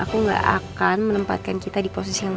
kok gak makan di rumah